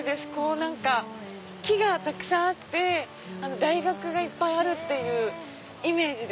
何か木がたくさんあって大学がいっぱいあるイメージ。